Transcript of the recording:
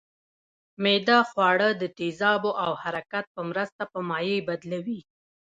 معده خواړه د تیزابو او حرکت په مرسته په مایع بدلوي